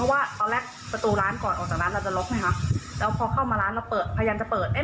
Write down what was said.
ได้รู้มันมีคนแอบเข้ามาในร้าน